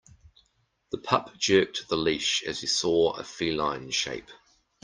The pup jerked the leash as he saw a feline shape.